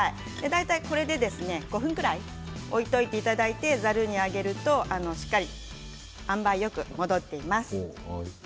大体これで５分くらい置いておいていただいてざるにあけるとあんばいよく戻ります。